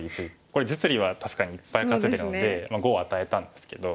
これ実利は確かにいっぱい稼いだので５を与えたんですけど。